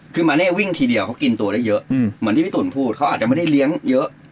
คือมาเน่วิ่งทีเดียวเขากินตัวได้เยอะเหมือนที่พี่ตุ๋นพูดเขาอาจจะไม่ได้เลี้ยงเยอะ